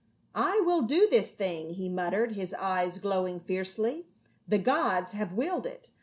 " I will do this thing," he muttered, his eyes glowing fiercely ;" the gods have willed it.